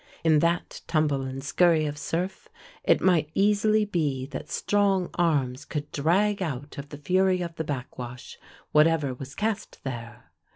In that tumble and scurry of surf it might easily be that strong arms could drag out of the fury of the backwash whatever was cast there.